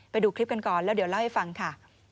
ไปดูคลิปกันก่อนแล้วเดี๋ยวเล่าให้ฟังค่ะ